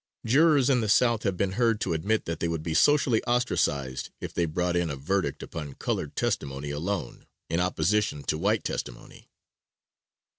Jurors in the South have been heard to admit that they would be socially ostracized if they brought in a verdict upon colored testimony alone, in opposition to white testimony.